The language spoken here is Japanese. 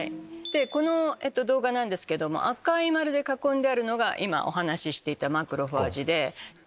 この動画なんですけど赤い丸で囲んであるのが今お話していたマクロファージで。